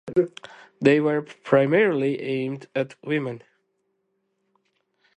They were primarily aimed at women.